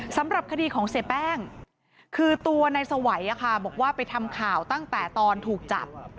สำหรับคดีของเสียแป้งคือตัวนายสวัยบอกว่าไปทำข่าวตั้งแต่ตอนถูกจับ